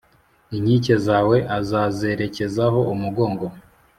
Inkike zawe azazerekezaho umugogo